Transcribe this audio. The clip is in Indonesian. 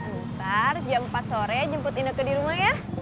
ntar jam empat sore jemput indoko di rumah ya